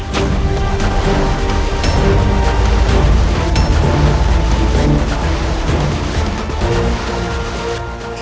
aku sudah tidak kuat lagi